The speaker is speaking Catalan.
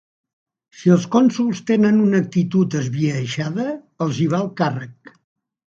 Si els cònsols tenen una actitud esbiaixada, els hi va el càrrec